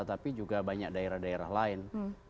tapi juga banyak daerah daerah lain